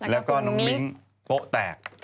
แล้วก็น้องมิ้งโป๊ะแตก